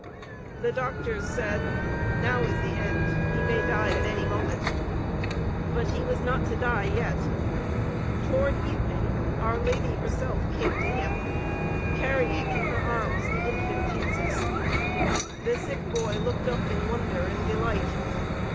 The doctors said: "Now is the end. He may die at any moment." But he was not to die yet. Toward evening our Lady herself came to him, carrying in her arms the Infant Jesus. The sick boy looked up in wonder and delight.